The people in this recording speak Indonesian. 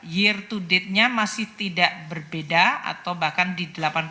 year to datenya masih tidak berbeda atau bahkan di delapan puluh tiga